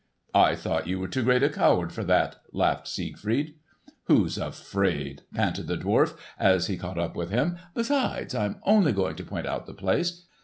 "I thought you were too great a coward for that," laughed Siegfried. "Who's afraid?" panted the dwarf as he caught up with him. "Besides I am only going to point out the place.